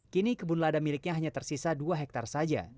kini kebun lada miliknya hanya tersisa dua hektare saja